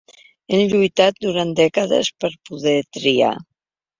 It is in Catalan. Hem lluitat durant dècades per poder triar.